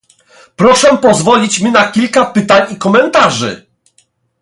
Proszę pozwolić mi na kilka pytań i komentarzy